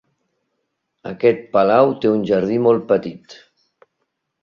Aquest palau té un jardí molt petit.